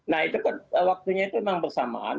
nah itu kan waktunya itu memang bersamaan